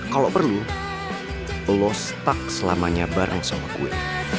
kalau perlu lo stuck selamanya bareng sama kue